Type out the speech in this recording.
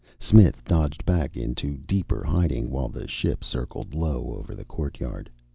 Smith dodged back into deeper hiding while the ship circled low over the courtyard.